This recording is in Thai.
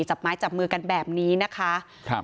จับไม้จับมือกันแบบนี้นะคะครับ